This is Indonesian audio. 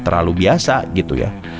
terlalu biasa gitu ya